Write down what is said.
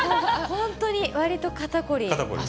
本当にわりと肩凝り。